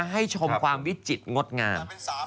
ให้ชมความวิจิตรงดงาม